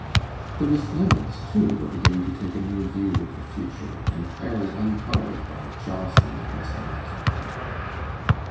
The Miss Linnets, too, were beginning to take a new view of the future, entirely uncoloured by jealousy of Miss Eliza Pratt.